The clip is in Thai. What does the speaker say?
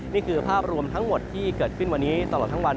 นี่คือภาพรวมทั้งหมดที่เกิดขึ้นวันนี้ตลอดทั้งวัน